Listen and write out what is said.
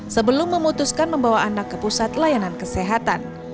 sebelum memutuskan membawa anak ke pusat layanan kesehatan